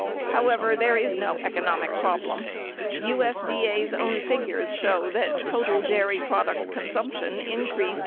However, there is no economic problem. USDA's own figures show that total dairy product consumption increased 1.